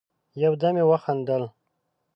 يودم يې وخندل: